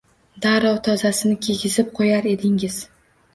Darrov tozasini kiygizib qoʻyar edingiz.